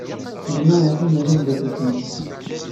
Gma iḥemmel tameddakelt-nnes.